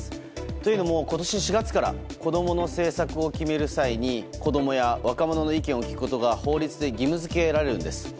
というのも今年４月から子供の政策を決める際に子供や若者の意見を聞くことが法律で義務付けられるんです。